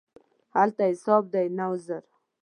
هلته حساب دی، نه عذر.